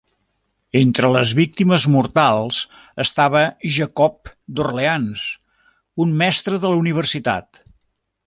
Entre les víctimes mortals estava Jacob d'Orleans, un mestre de la universitat.